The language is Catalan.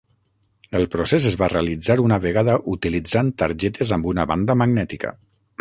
El procés es va realitzar una vegada utilitzant targetes amb una banda magnètica.